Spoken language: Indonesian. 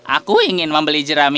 aku ingin membeli jerami